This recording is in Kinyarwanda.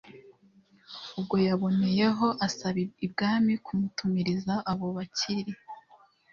Ubwo yaboneyeho asaba ibwami kumutumiriza abo bakirina